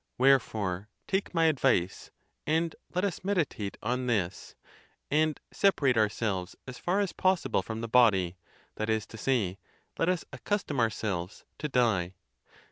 Wherefore take my advice; and let us meditate on this, and separate onr selves as far as possible from the body, that is to say, let us accustom ourselves to die.